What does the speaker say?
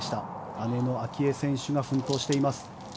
姉の明愛選手が奮闘しています。